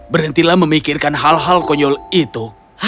berhentilah memikirkan hal hal konyol itu